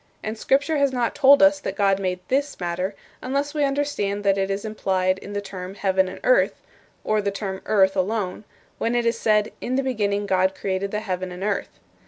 And Scripture has not told us that God made this matter, unless we understand that it is implied in the term 'heaven and earth' (or the term 'earth' alone) when it is said, 'In the beginning God created the heaven and earth.'